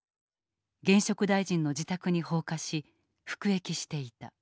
現職大臣の自宅に放火し服役していた。